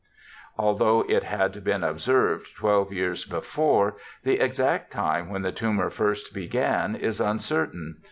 Although it had been observed 12 years before, the exact time when the tumour first began is uncertain.